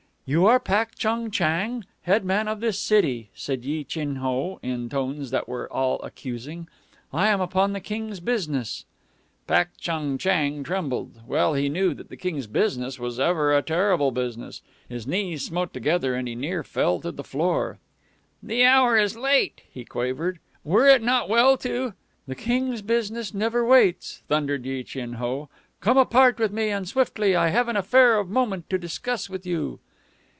"You are Pak Chung Chang, head man of this city," said Yi Chin Ho in tones that were all accusing. "I am upon the King's business." Pak Chung Chang trembled. Well he knew the King's business was ever a terrible business. His knees smote together, and he near fell to the floor. "The hour is late," he quavered. "Were it not well to " "The King's business never waits!" thundered Yi Chin Ho. "Come apart with me, and swiftly. I have an affair of moment to discuss with you.